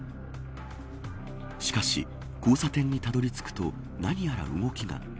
しかし交差点にたどり着くと何やら動きが。